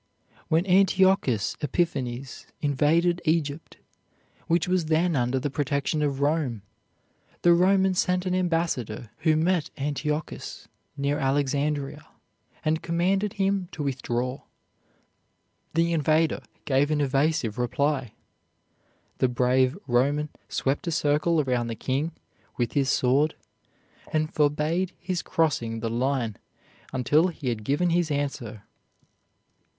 When Antiochus Epiphanes invaded Egypt, which was then under the protection of Rome, the Romans sent an ambassador who met Antiochus near Alexandria and commanded him to withdraw. The invader gave an evasive reply. The brave Roman swept a circle around the king with his sword, and forbade his crossing the line until he had given his answer.